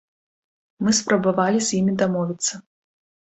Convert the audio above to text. Мы спрабавалі з імі дамовіцца.